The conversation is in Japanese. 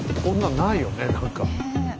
こんなんないよね何か。